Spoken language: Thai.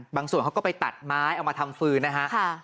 บางส่วนเขาก็ไปตัดไม้เอามาทำฟื้นนะครับ